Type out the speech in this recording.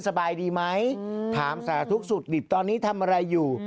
สบายดีไหมถามสาธุสุขดิบตอนนี้ทำอะไรอยู่